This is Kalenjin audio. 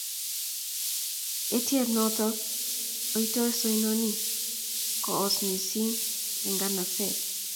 Etyet notok oitos oinoni koos missing eng nganaseet.